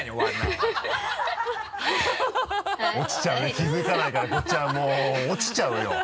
気づかないからこっちはもう落ちちゃうよ。